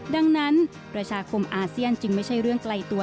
ดังนั้นประชาคมอาเซียนจึงไม่ใช่เรื่องไกลตัว